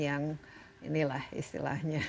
yang inilah istilahnya